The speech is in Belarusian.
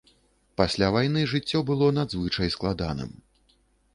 Пасля вайны жыццё было надзвычай складаным.